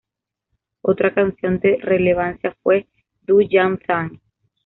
Otra canción de relevancia fue "Do Ya Thang".